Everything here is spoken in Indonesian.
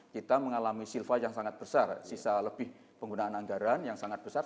kita mengalami silva yang sangat besar sisa lebih penggunaan anggaran yang sangat besar